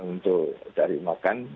untuk cari makan